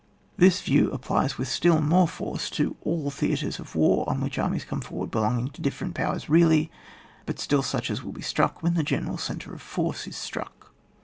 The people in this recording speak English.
This view applies with still more force to all theatres of war on which armies come forward belonging to different powers really, but still such as will be struck when the general centre of force is struck.